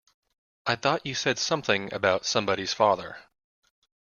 I thought you said something about somebody's father.